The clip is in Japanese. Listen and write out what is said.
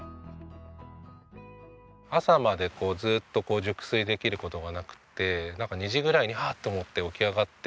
朝までずっと熟睡できる事がなくてなんか２時ぐらいにハッと思って起き上がって。